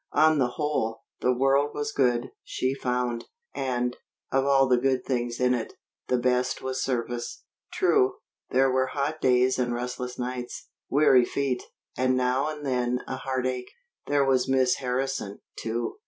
On the whole, the world was good, she found. And, of all the good things in it, the best was service. True, there were hot days and restless nights, weary feet, and now and then a heartache. There was Miss Harrison, too.